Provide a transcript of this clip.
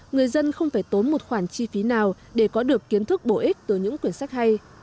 người dân không phải tốn một khoản chi phí nào để có được kiến thức bổ ích từ những quyển sách hay